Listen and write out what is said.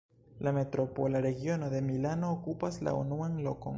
La metropola regiono de Milano okupas la unuan lokon.